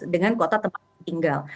dengan kota tempat tinggal